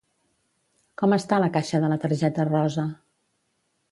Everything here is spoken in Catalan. Com està la caixa de la targeta rosa?